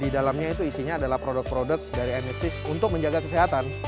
di dalamnya itu isinya adalah produk produk dari emisis untuk menjaga kesehatan